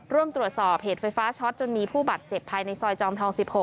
ร่วมตรวจสอบเหตุไฟฟ้าช็อตจนมีผู้บาดเจ็บภายในซอยจอมทอง๑๖